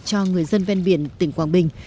cho người dân ven biển tỉnh quảng bình